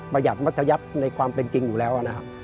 หยัดมัธยับในความเป็นจริงอยู่แล้วนะครับ